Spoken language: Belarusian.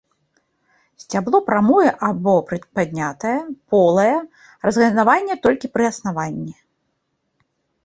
Сцябло прамое або прыпаднятае, полае, разгалінаванае толькі пры аснаванні.